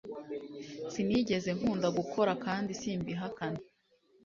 Sinigeze nkunda gukora kandi simbihakana